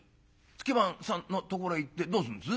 「月番さんのところへ行ってどうすんです？」。